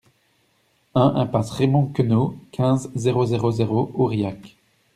un impasse Raymond Queneau, quinze, zéro zéro zéro, Aurillac